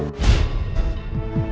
pangeran yang terjadi